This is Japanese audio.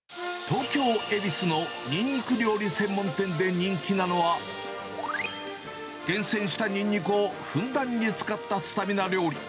東京・恵比寿のニンニク料理専門店で人気なのは、厳選したニンニクをふんだんに使ったスタミナ料理。